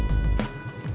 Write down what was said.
ya allah ya allah